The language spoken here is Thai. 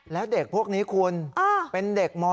แล้วเด็กพวกนี้คุณเป็นเด็กม๔